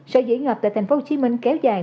sở dĩ ngập tại tp hcm kéo dài